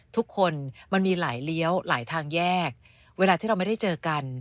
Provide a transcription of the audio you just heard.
มันมีหลายเลี้ยวหลายทางแยกเวลาที่เราไม่ได้เจอกัน